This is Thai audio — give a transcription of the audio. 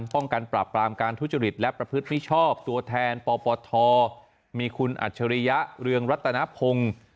ป้องกันปราบปรามการทุจริตและประพฤติมิชชอบตัวแทนปปทมีคุณอัจฉริยะเรืองรัตนพงศ์